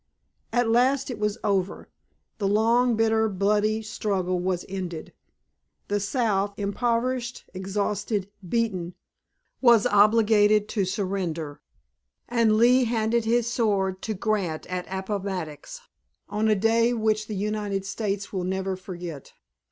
At last it was over. The long, bitter, bloody struggle was ended. The South, impoverished, exhausted, beaten, was obliged to surrender, and Lee handed his sword to Grant at Appomattox, on a day which the United States will never forget.